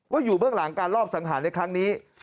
อยู่เบื้องหลังการรอบสังหารในครั้งนี้